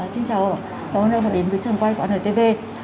xin chào cảm ơn các bạn đã đến với trường quay quảng hợp tv